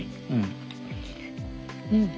うん。